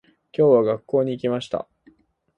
今日は、学校に行きました。